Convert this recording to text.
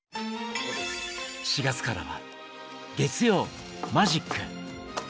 ４月からは月曜「マジック」。